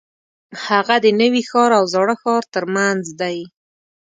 هغه د نوي ښار او زاړه ښار ترمنځ دی.